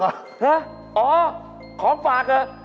ฮะอ๋อของฝากเถอะ